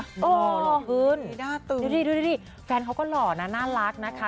หล่อขึ้นดูดิฟันเขาก็หล่อนะน่ารักนะคะ